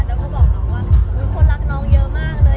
ต้องหลอกน้องว่าคนรักน้องมากเลย